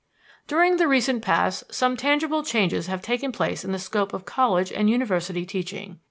During the recent past some tangible changes have taken place in the scope of college and university teaching.